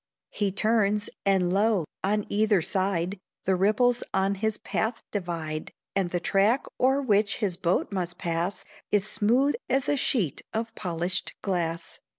He turns, and lo! on either side The ripples on his path divide; And the track o'er which his boat must pass Is smooth as a sheet of polished glass.